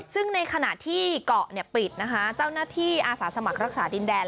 ซึ่งในขณะที่เกาะปิดนะคะเจ้าหน้าที่อาสาสมัครรักษาดินแดน